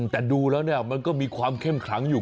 แต่ดูแล้วเนี่ยมันก็มีความเข้มขลังอยู่